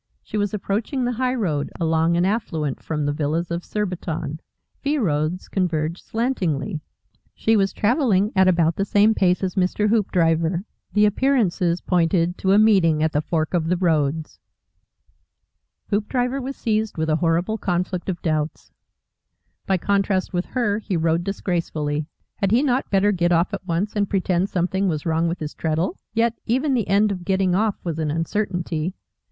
She was approaching the high road along an affluent from the villas of Surbiton. fee roads converged slantingly. She was travelling at about the same pace as Mr. Hoopdriver. The appearances pointed to a meeting at the fork of the roads. Hoopdriver was seized with a horrible conflict of doubts. By contrast with her he rode disgracefully. Had he not better get off at once and pretend something was wrong with his treadle? Yet even the end of getting off was an uncertainty.